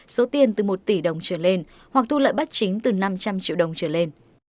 số tiền từ một tỷ đồng trở lên hoặc thu lợi bất chính từ năm trăm linh triệu đồng trở lên